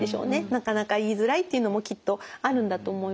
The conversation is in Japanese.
なかなか言いづらいっていうのもきっとあるんだと思います。